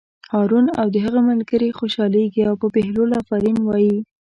هارون او د هغه ملګري خوشحالېږي او په بهلول آفرین وایي.